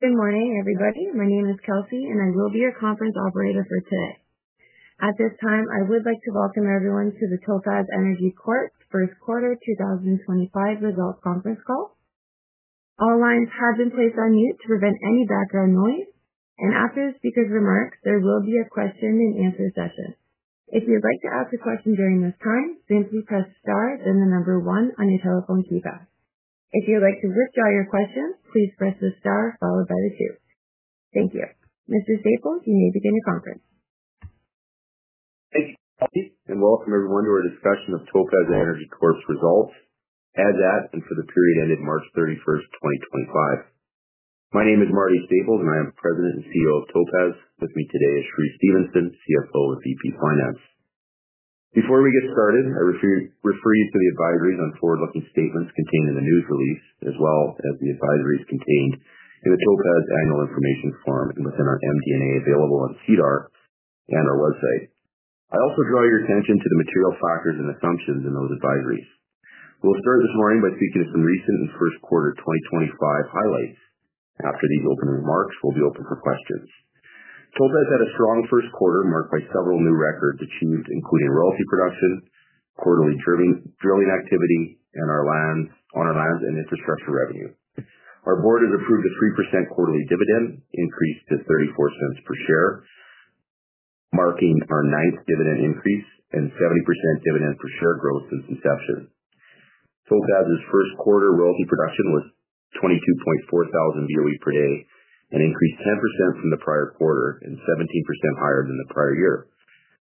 Good morning, everybody. My name is Kelsey, and I will be your conference operator for today. At this time, I would like to welcome everyone to the Topaz Energy Corp's first quarter 2025 results conference call. All lines have been placed on mute to prevent any background noise, and after the speaker's remarks, there will be a question-and-answer session. If you'd like to ask a question during this time, simply press star, then the number one on your telephone keypad. If you'd like to withdraw your question, please press the star followed by the two. Thank you. Mr. Staples, you may begin your conference. Thank you, Kelsey, and welcome everyone to our discussion of Topaz Energy Corp. results as at and for the period ended March 31, 2025. My name is Marty Staples, and I am President and CEO of Topaz. With me today is Cheree Stephenson, CFO and VP Finance. Before we get started, I refer you to the advisories on forward-looking statements contained in the news release, as well as the advisories contained in the Topaz Annual Information Form and within our MD&A available on SEDAR and our website. I also draw your attention to the material factors and assumptions in those advisories. We'll start this morning by speaking to some recent and first quarter 2025 highlights. After these opening remarks, we'll be open for questions. Topaz had a strong first quarter marked by several new records achieved, including royalty production, quarterly drilling activity, and our land on our lands and infrastructure revenue. Our board has approved a 3% quarterly dividend increase to 0.34 per share, marking our ninth dividend increase and 70% dividend per share growth since inception. Topaz's first quarter royalty production was 22,400 BOE/d, an increase of 10% from the prior quarter and 17% higher than the prior year.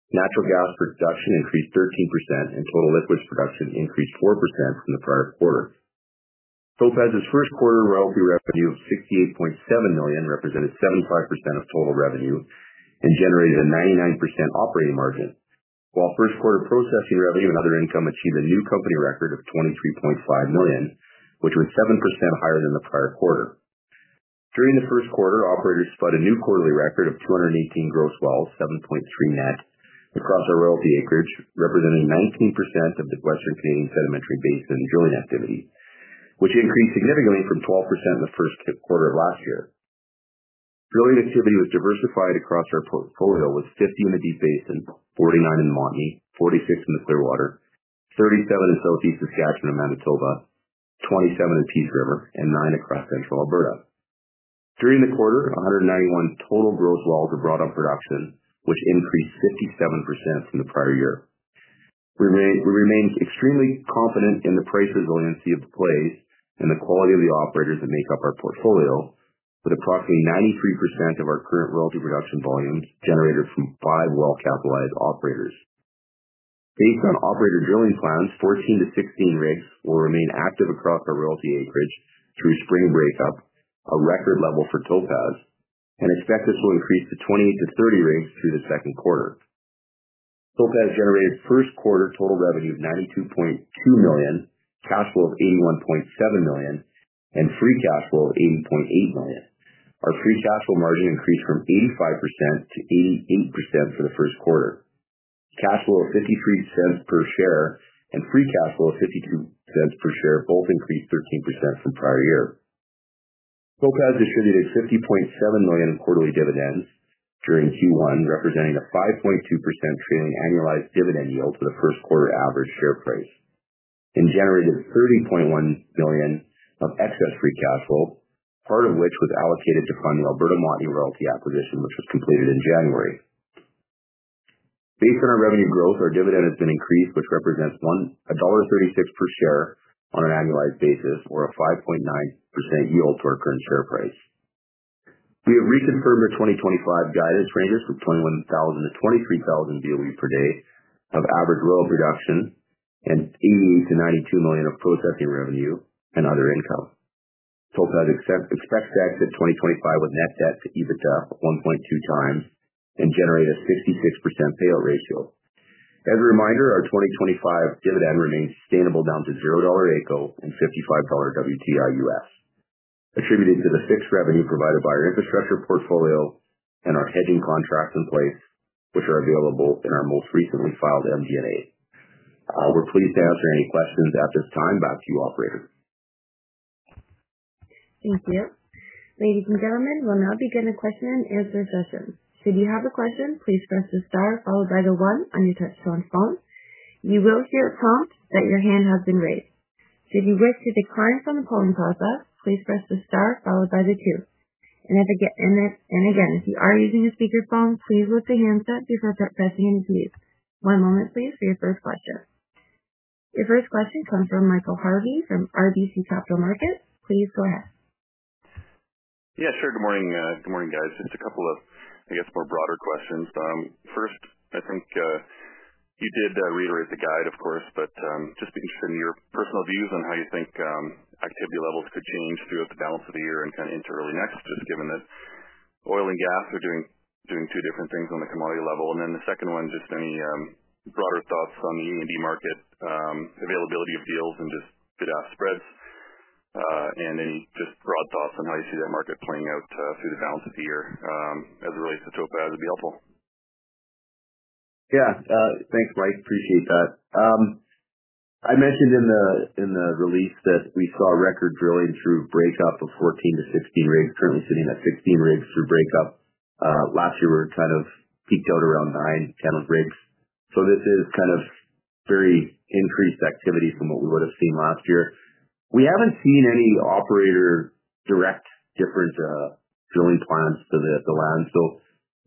Natural gas production increased 13%, and total liquids production increased 4% from the prior quarter. Topaz's first quarter royalty revenue of 68.7 million represented 75% of total revenue and generated a 99% operating margin, while first quarter processing revenue and other income achieved a new company record of 23.5 million, which was 7% higher than the prior quarter. During the first quarter, operators spun a new quarterly record of 218 gross wells, 7.3 net, across our royalty acreage, representing 19% of the Western Canadian Sedimentary Basin (WCSB) drilling activity, which increased significantly from 12% in the first quarter of last year. Drilling activity was diversified across our portfolio with 50 in the Deep Basin, 49 in the Montney, 46 in the Clearwater, 37 in Southeast Saskatchewan and Manitoba, 27 in the Peace River, and 9 across Central Alberta. During the quarter, 191 total gross wells were brought on production, which increased 57% from the prior year. We remain extremely confident in the price resiliency of the plays and the quality of the operators that make up our portfolio, with approximately 93% of our current royalty production volumes generated from five well-capitalized operators. Based on operator drilling plans, 14-16 rigs will remain active across our royalty acreage through spring breakup, a record level for Topaz, and expect this will increase to 28-30 rigs through the second quarter. Topaz generated first quarter total revenue of 92.2 million, cash flow of 81.7 million, and free cash flow of 80.8 million. Our free cash flow margin increased from 85% to 88% for the first quarter. Cash flow of 0.53 per share and free cash flow of 0.52 per share both increased 13% from prior year. Topaz distributed 50.7 million in quarterly dividends during Q1, representing a 5.2% trailing annualized dividend yield to the first quarter average share price, and generated 30.1 million of excess free cash flow, part of which was allocated to fund the Alberta Montney royalty acquisition, which was completed in January. Based on our revenue growth, our dividend has been increased, which represents dollar 1.36 per share on an annualized basis, or a 5.9% yield to our current share price. We have reconfirmed our 2025 guidance ranges from 21,000-23,000 BOE/d of average royalty production and CAD88-92 million of processing revenue and other income. Topaz expects to exit 2025 with net debt to EBITDA of 1.2x and generate a 66% payout ratio. As a reminder, our 2025 dividend remains sustainable down to 0 dollar AECO and $55 WTI US, attributed to the fixed revenue provided by our infrastructure portfolio and our hedging contracts in place, which are available in our most recently filed MD&A. We're pleased to answer any questions at this time. Back to you, operator. Thank you. Ladies and gentlemen, we'll now begin the question and answer session. Should you have a question, please press the star followed by the one on your touchstone phone. You will hear a prompt that your hand has been raised. Should you wish to decline from the polling process, please press the star followed by the two. If you are using a speakerphone, please lift the handset before pressing any keys. One moment, please, for your first question. Your first question comes from Michael Harvey from RBC Capital Markets. Please go ahead. Yeah, sure. Good morning. Good morning, guys. Just a couple of, I guess, more broader questions. First, I think you did reiterate the guide, of course, but just be interested in your personal views on how you think activity levels could change throughout the balance of the year and kind of into early next, just given that oil and gas are doing two different things on the commodity level. The second one, just any broader thoughts on the A&D market, availability of deals, and just bid-ask spreads, and any just broad thoughts on how you see that market playing out through the balance of the year as it relates to Topaz would be helpful. Yeah. Thanks, Mike. Appreciate that. I mentioned in the release that we saw record drilling through breakup of 14-16 rigs, currently sitting at 16 rigs through breakup. Last year, we were kind of peaked out around 9-10 rigs. This is kind of very increased activity from what we would have seen last year. We have not seen any operator direct different drilling plans to the land.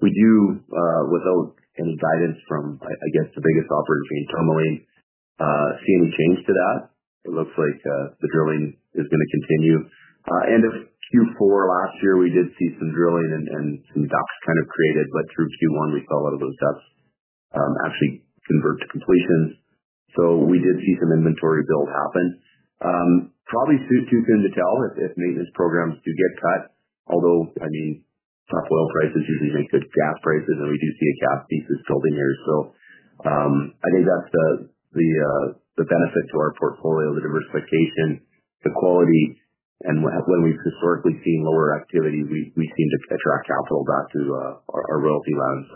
We do, without any guidance from, I guess, the biggest operator being Tourmaline, see any change to that. It looks like the drilling is going to continue. End of Q4 last year, we did see some drilling and some DUCs kind of created, but through Q1, we saw a lot of those DUCs actually convert to completions. We did see some inventory build happen. Probably too soon to tell if maintenance programs do get cut, although, I mean, tough oil prices usually make good gas prices, and we do see a gas thesis building here. I think that's the benefit to our portfolio, the diversification, the quality, and when we've historically seen lower activity, we seem to attract capital back to our royalty lands.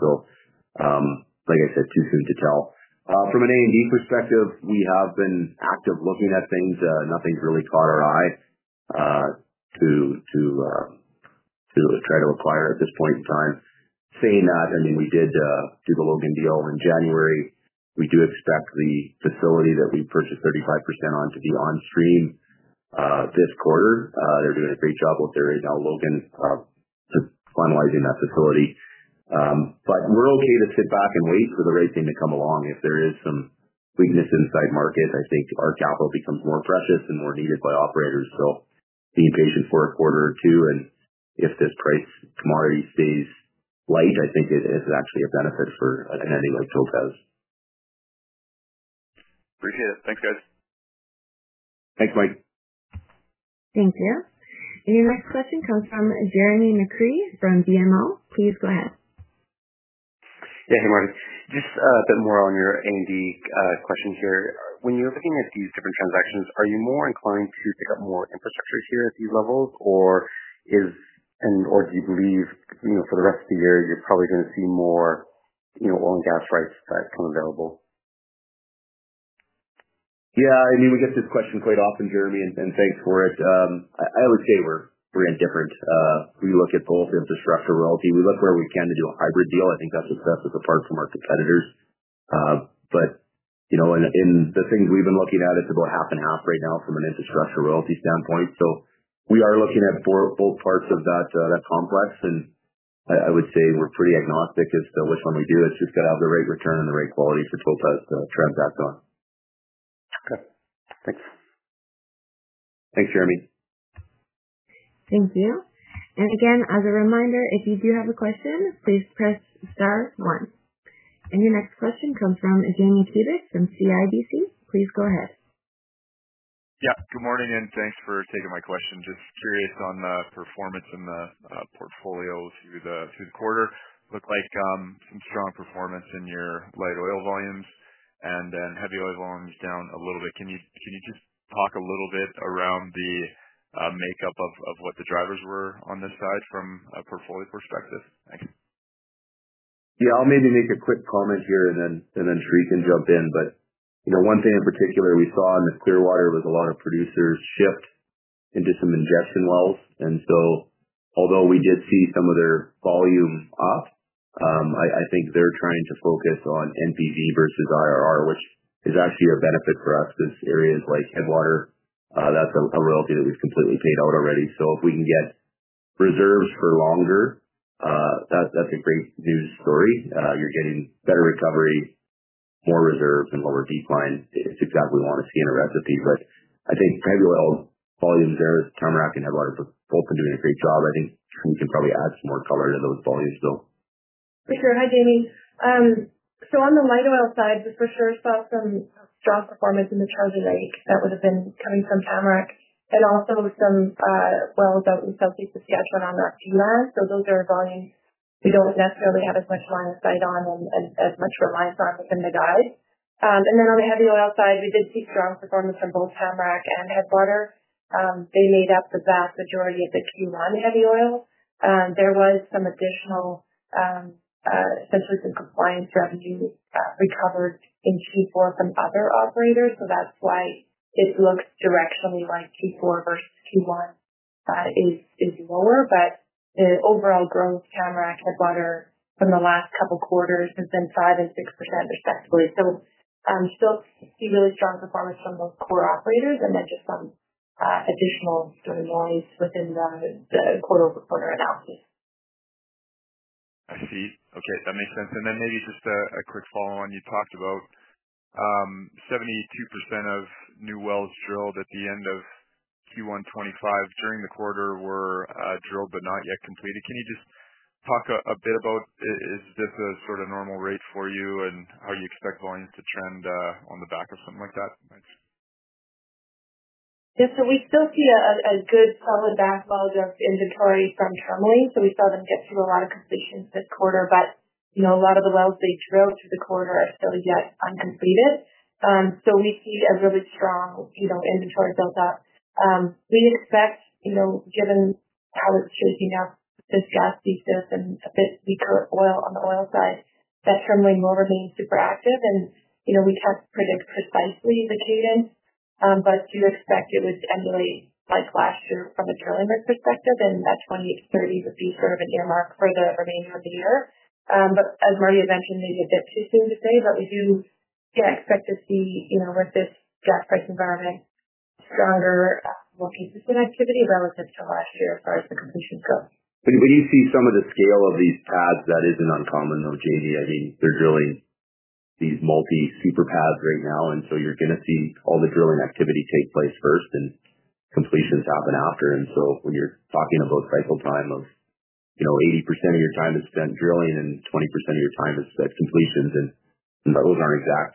Like I said, too soon to tell. From an A&D perspective, we have been active looking at things. Nothing's really caught our eye to try to acquire at this point in time. Saying that, I mean, we did do the Logan deal in January. We do expect the facility that we purchased 35% on to be on stream this quarter. They're doing a great job with their now Logan finalizing that facility. We're okay to sit back and wait for the right thing to come along. If there is some weakness inside market, I think our capital becomes more precious and more needed by operators. Being patient for a quarter or two, and if this price commodity stays light, I think it is actually a benefit for an entity like Topaz. Appreciate it. Thanks, guys. Thanks, Mike. Thank you. Your next question comes from Jeremy McCrea from BMO. Please go ahead. Yeah. Hey, Marty. Just a bit more on your A&D question here. When you're looking at these different transactions, are you more inclined to pick up more infrastructure here at these levels, or do you believe for the rest of the year you're probably going to see more oil and gas rights that come available? Yeah. I mean, we get this question quite often, Jeremy, and thanks for it. I would say we're indifferent. We look at both infrastructure and royalty. We look where we can to do a hybrid deal. I think that's what sets us apart from our competitors. In the things we've been looking at, it's about half and half right now from an infrastructure and royalty standpoint. We are looking at both parts of that complex, and I would say we're pretty agnostic as to which one we do. It's just got to have the right return and the right quality for Topaz to transact on. Okay. Thanks. Thanks, Jeremy. Thank you. As a reminder, if you do have a question, please press star one. Your next question comes from Jamie Kubic from CIBC. Please go ahead. Yeah. Good morning, and thanks for taking my question. Just curious on the performance in the portfolio through the quarter. Looked like some strong performance in your light oil volumes and then heavy oil volumes down a little bit. Can you just talk a little bit around the makeup of what the drivers were on this side from a portfolio perspective? Thanks. Yeah. I'll maybe make a quick comment here, and then Cheree can jump in. One thing in particular we saw in the Clearwater was a lot of producers shift into some ingestion wells. Although we did see some of their volume up, I think they're trying to focus on NPV versus IRR, which is actually a benefit for us because areas like Headwater, that's a royalty that we've completely paid out already. If we can get reserves for longer, that's a great news story. You're getting better recovery, more reserves, and lower decline. It's exactly what we want to see in a recipe. I think heavy oil volumes there, Tamarack and Headwater, both been doing a great job. I think Cheree can probably add some more color to those volumes though. Sure. Hi, Jamie. On the light oil side, we for sure saw some strong performance in the Charger Lake that would have been coming from Tamarack, and also some wells out in southeast Saskatchewan on the FE land. Those are volumes we do not necessarily have as much line of sight on and as much reliance on within the guide. On the heavy oil side, we did see strong performance from both Tamarack and Headwater. They made up the vast majority of the Q1 heavy oil. There was some additional, essentially some compliance revenue recovered in Q4 from other operators. That is why it looks directionally like Q4 versus Q1 is lower. The overall growth, Tamarack, Headwater from the last couple quarters has been 5% and 6% respectively. Still see really strong performance from those core operators, and then just some additional sort of noise within the quarter-over-quarter analysis. I see. Okay. That makes sense. Maybe just a quick follow-on. You talked about 72% of new wells drilled at the end of Q1 2025 during the quarter were drilled but not yet completed. Can you just talk a bit about is this a sort of normal rate for you and how you expect volumes to trend on the back of something like that? Yeah. We still see a good solid backlog of inventory from Tourmaline. We saw them get through a lot of completions this quarter, but a lot of the wells they drilled through the quarter are still yet uncompleted. We see a really strong inventory build-up. We expect, given how it's shaking up this gas thesis and a bit weaker on the oil side, that Tourmaline will remain super active. We can't predict precisely the cadence, but do expect it would emulate like last year from a drilling rate perspective, and that 20-30 would be sort of an earmark for the remainder of the year. As Marty had mentioned, maybe a bit too soon to say, but we do, yeah, expect to see with this gas price environment, stronger, more consistent activity relative to last year as far as the completions go. When you see some of the scale of these pads, that isn't uncommon though, Jamie. I mean, they're drilling these multi-super pads right now, and you are going to see all the drilling activity take place first, and completions happen after. When you're talking about cycle time of 80% of your time is spent drilling and 20% of your time is spent completions, and those aren't exact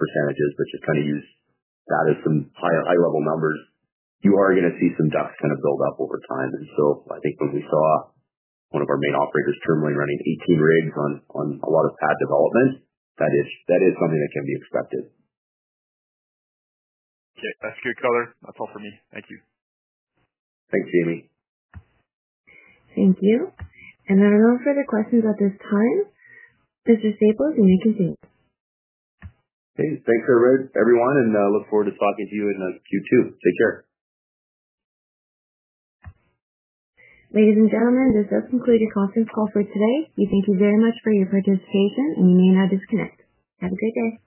percentages, but just kind of use that as some high-level numbers, you are going to see some DUCs kind of build up over time. I think when we saw one of our main operators, Tourmaline, running 18 rigs on a lot of pad development, that is something that can be expected. Okay. That's a good color. That's all for me. Thank you. Thanks, Jamie. Thank you. There are no further questions at this time. Mr. Staples, you may continue. Okay. Thanks, everyone, and look forward to talking to you in Q2. Take care. Ladies and gentlemen, this does conclude your conference call for today. We thank you very much for your participation, and you may now disconnect. Have a great day.